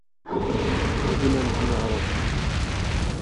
Tugna n tneɣruft.